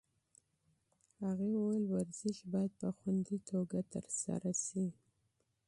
هغې وویل ورزش باید په خوندي توګه ترسره شي.